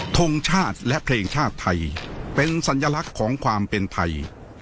ทงชาติและเพลงชาติไทยเป็นสัญลักษณ์ของความเป็นไทย